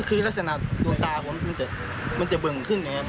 ก็คือลัสซะหนักดวงตาผมมันจะบึ้งขึ้นนะครับ